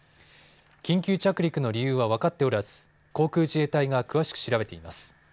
緊急着陸の理由は分かっておらず航空自衛隊が詳しく調べています。